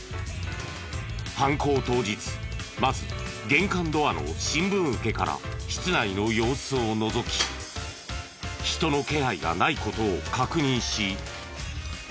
犯行当日まず玄関ドアの新聞受けから室内の様子をのぞき人の気配がない事を確認し外へ。